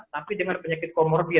tapi dengan penyakit comorbid